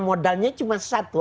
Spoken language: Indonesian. modalnya cuma satu